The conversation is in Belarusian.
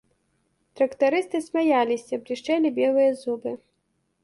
Трактарысты смяяліся, блішчэлі белыя зубы.